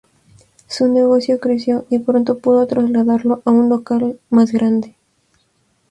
Su negocio creció y pronto pudo trasladarlo a un local más grande.